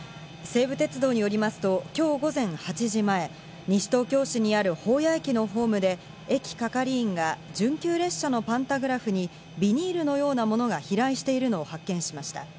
西武鉄道によりますと今日午前８時前、西東京市にある保谷駅のホームで駅係員が準急列車のパンタグラフにビニールのようなものが飛来しているのを発見しました。